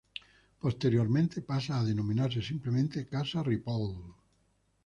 Posteriormente pasa a denominarse simplemente Casa Ripoll.